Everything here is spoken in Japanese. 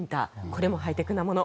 これもハイテクなもの。